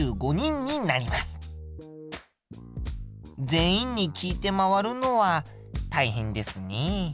全員に聞いて回るのは大変ですね。